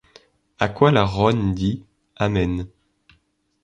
A quoy la Royne dit : Amen.